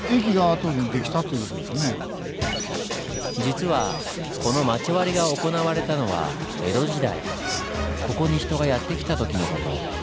実はこの町割が行われたのは江戸時代ここに人がやって来た時の事。